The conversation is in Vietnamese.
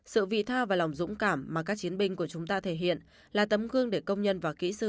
sự vị tha và lòng dũng cảm mà các chiến binh của chúng ta thể hiện là tấm gương để công nhân và kỹ sư